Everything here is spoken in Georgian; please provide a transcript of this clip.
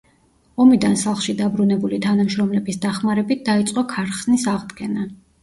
ომიდან სახლში დაბრუნებული თანამშრომლების დახმარებით დაიწყო ქარხნის აღდგენა.